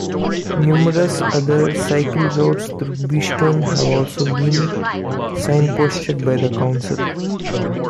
Numerous other cycle routes through Beeston have also been signposted by the council.